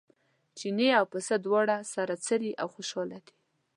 چیني او پسه دواړه سره څري او خوشاله دي.